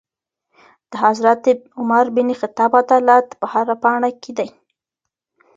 د حضرت عمر بن خطاب عدالت په هره پاڼې کي دی.